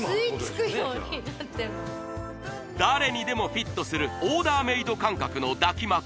誰にでもフィットするオーダーメード感覚の抱き枕